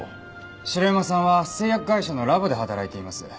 城山さんは製薬会社のラボで働いています。